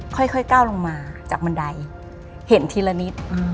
ค่อยก้าวลงมาจากบันไดเห็นทีละนิด